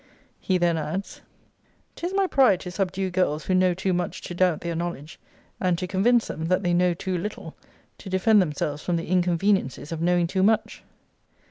He then adds] * See Letter XLII. of this volume. 'Tis my pride to subdue girls who know too much to doubt their knowledge; and to convince them, that they know too little, to defend themselves from the inconveniencies of knowing too much.